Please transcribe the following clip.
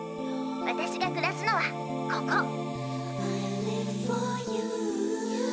私が暮らすのはここ！